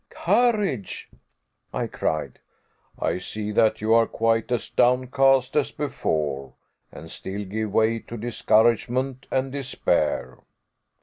"Courage!" I cried. "I see that you are quite as downcast as before and still give way to discouragement and despair."